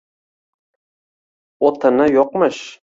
O‘tini yo‘qmish.